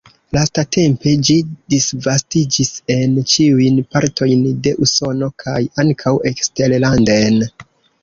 Lastatempe ĝi disvastiĝis en ĉiujn partojn de Usono kaj ankaŭ eksterlanden.